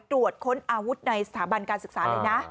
ตรวจค้นอาวุธในสถาบันการศึกษาเลยนะ